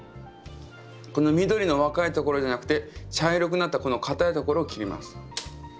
この緑の若いところじゃなくて茶色くなったこの硬いところを切ります。